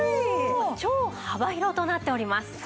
超幅広となっております。